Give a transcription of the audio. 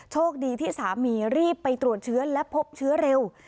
โชคดีที่สามีรีบไปตรวจเชื้อและพบเชื้อเร็ว